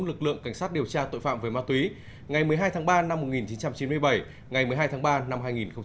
lực lượng cảnh sát điều tra tội phạm về ma túy ngày một mươi hai tháng ba năm một nghìn chín trăm chín mươi bảy ngày một mươi hai tháng ba năm hai nghìn hai mươi